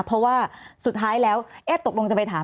เพราะว่าสุดท้ายแล้วตกลงจะไปถาม